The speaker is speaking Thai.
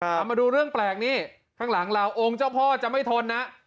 เอามาดูเรื่องแปลกนี่ข้างหลังเราองค์เจ้าพ่อจะไม่ทนนะ